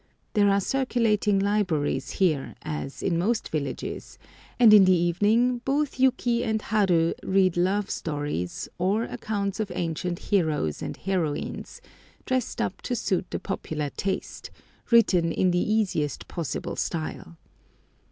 There are circulating libraries here, as in most villages, and in the evening both Yuki and Haru read love stories, or accounts of ancient heroes and heroines, dressed up to suit the popular taste, written in the easiest possible style.